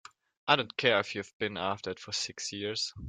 I don't care if you've been after it for six years!